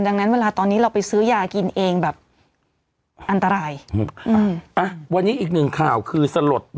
ดังนั้นเวลาตอนนี้เราไปซื้อยากินเองแบบอันตรายอ่ะวันนี้อีกหนึ่งข่าวคือสลด